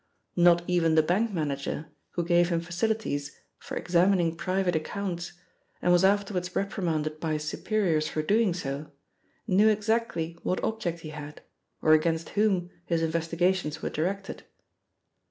Not even the bank manager, who gave him facilities for examining private accounts, and was afterwards reprimanded by his superiors for doing so, knew exactly what object he had, or against whom his investigations were directed.